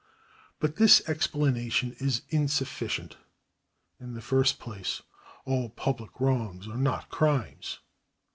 '" But this explanation is insufficient. In the first place all public wrongs are not crimes.